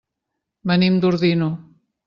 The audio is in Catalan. Venim d'Ordino.